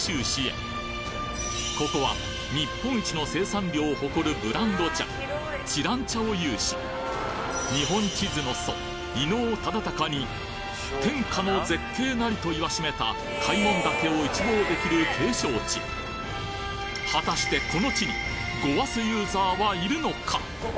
ここは日本一の生産量を誇るブランド茶知覧茶を有し日本地図の祖・伊能忠敬に「天下の絶景なり」と言わしめた開聞岳を一望できる景勝地果たしてこの地にごわすユーザーはいるのか？